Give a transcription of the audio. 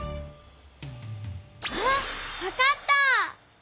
あっわかった！